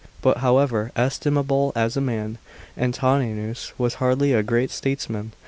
But however estimable as a man, Antoninus was hardly a great statesman.